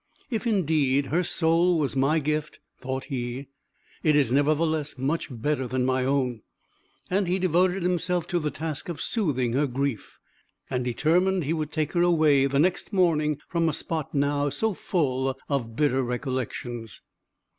"If indeed her soul was my gift," thought he, "it is nevertheless much better than my own;" and he devoted himself to the task of soothing her grief, and determined he would take her away the next morning from a spot now so full of bitter recollections.